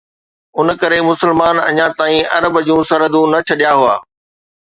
ان ڪري مسلمان اڃا تائين عرب جون سرحدون نه ڇڏيا هئا.